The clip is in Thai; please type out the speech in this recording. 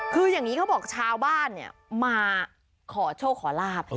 คืออย่างนี้เขาบอกชาวบ้านเนี่ยมาขอโชคขอลาบ